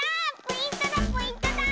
ポイントだポイントだ！